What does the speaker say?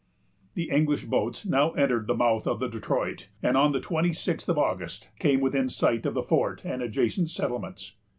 The English boats now entered the mouth of the Detroit, and on the twenty sixth of August came within sight of the fort and adjacent settlements.